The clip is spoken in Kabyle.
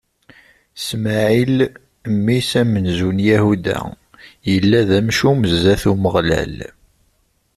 Smaɛil, mmi-s amenzu n Yahuda, yella d amcum zdat n Umeɣlal.